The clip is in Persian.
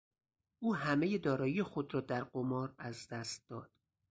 او همهی دارایی خود را در قمار از دست داد.